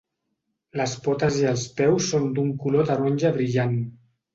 Les potes i els peus són d'un color taronja brillant.